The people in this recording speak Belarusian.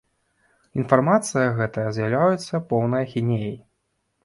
Інфармацыя гэтая з'яўляецца поўнай ахінеяй.